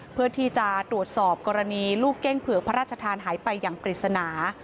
เพื่อที่จะตรวจสอบกรณีลูกเก้งเผือกพระราชทานหายไปอย่างปริศนา